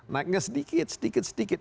naiknya sedikit sedikit sedikit